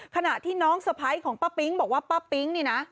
ขณะที่น้องสะพ้ายของป้าปิ๊งบอกว่าป้าปิ๊งนี่นะ